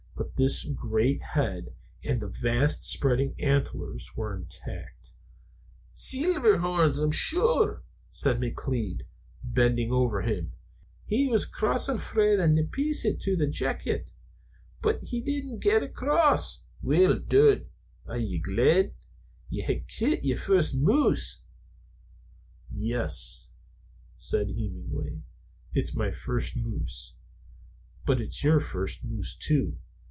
But the great head and the vast spreading antlers were intact. "Seelverhorrns, sure enough!" said McLeod, bending over him. "He was crossin' frae the Nepisiguit to the Jacquet; but he didna get across. Weel, Dud, are ye glad? Ye hae kilt yer first moose!" "Yes," said Hemenway, "it's my first moose. But it's your first moose, too.